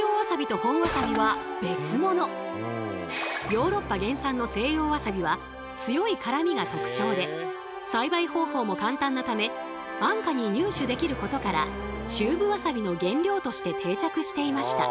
ヨーロッパ原産の西洋わさびは強い辛みが特徴で栽培方法も簡単なため安価に入手できることからチューブわさびの原料として定着していました。